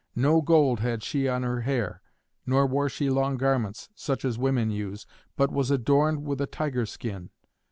No gold had she on her hair, nor wore she long garments such as women use, but was adorned with a tiger skin.